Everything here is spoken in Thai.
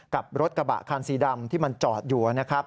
กับรถกระบะคันสีดำที่มันจอดอยู่นะครับ